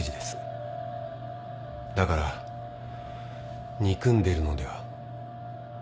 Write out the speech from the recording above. だから憎んでいるのでは？